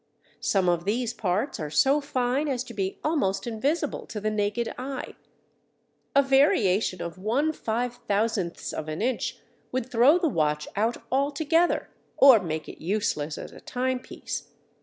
Some of these parts are so fine as to be almost invisible to the naked eye. A variation of one five thousandths of an inch would throw the watch out altogether, or make it useless as a timepiece.